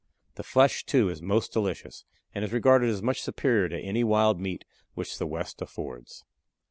The flesh, too, is most delicious, and is regarded as much superior to any wild meat which the west affords.